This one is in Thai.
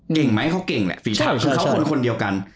เก่งไหมเขาเก่งแหละคือเขาคนเดียวกัน